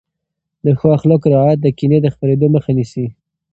د ښو اخلاقو رعایت د کینې د خپرېدو مخه نیسي.